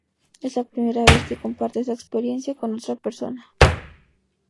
Es la primera vez que comparte esa experiencia con otra persona.